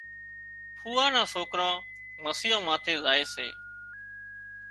ڦوئا نا سوڪران مسيان ماٿي زائي سي